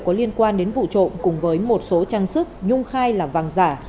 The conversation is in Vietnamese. có liên quan đến vụ trộm cùng với một số trang sức nhung khai là vàng giả